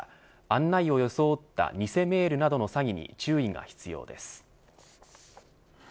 案内を装った偽メールなどの詐欺に注意が必要です。